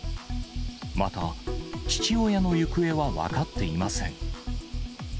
また、父親の行方は分かっていません。